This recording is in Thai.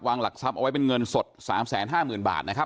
หลักทรัพย์เอาไว้เป็นเงินสด๓๕๐๐๐บาทนะครับ